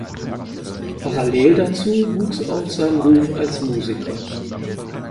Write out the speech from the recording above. Parallel dazu wuchs auch sein Ruf als Musiker.